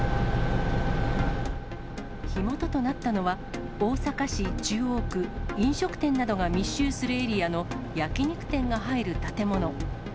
火元となったのは、大阪市中央区、飲食店などが密集するエリアの焼き肉店が入る建物。